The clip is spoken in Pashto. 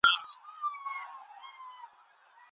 ایا ملي بڼوال وچ توت پلوري؟